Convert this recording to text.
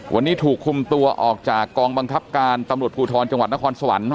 วันนี้ถูกคุมตัวออกจากกองบังคับการตำรวจภูทรจังหวัดนครสวรรค์